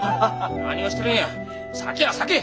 何をしてるんや酒や酒！